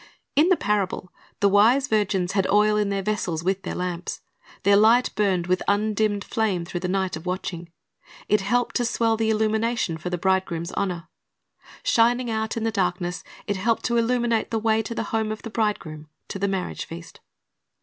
In the parable the wise virgins had oil in their vessels with their lamps. Their light burned with undimmed flame through the night of watching. It helped to swell the illumination for the bridegroom's honor. Shining out in the darkness, it helped to illuminate the way to the home of the bridegroom, to the marriage feast.